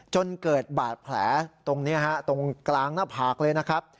จนเกิดบาดแผลตรงนี้ฮะตรงกลางหน้าผากเลยนะครับ